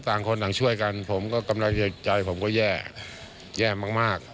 ต่างคนต่างช่วยกันผมก็กำลังใจผมก็แย่แย่มาก